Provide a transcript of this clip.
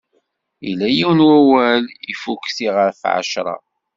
Illa yiwen n wawal, iffukti ɣef ɛecṛa.